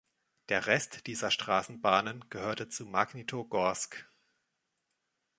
Der Rest dieser Straßenbahnen gehörte zu Magnitogorsk.